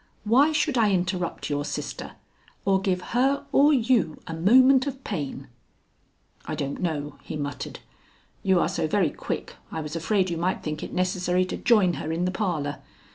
Why should I interrupt your sister or give her or you a moment of pain?" "I don't know," he muttered. "You are so very quick I was afraid you might think it necessary to join her in the parlor.